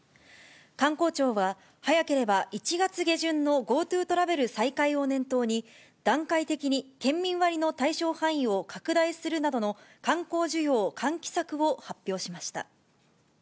観光庁は、早ければ１月下旬のＧｏＴｏトラベル再開を念頭に、段階的に県民割の対象範囲を拡大するなどの観光需要喚起策を発表しました。